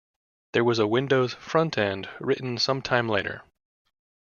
There was a windows front-end written sometime later.